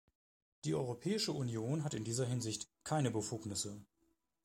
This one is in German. Die Europäische Union hat in dieser Hinsicht keine Befugnisse.